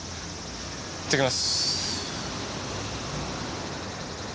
行ってきます。